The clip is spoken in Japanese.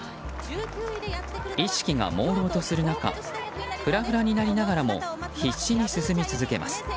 意識がもうろうとする中フラフラになりながらも必死に進み続けます。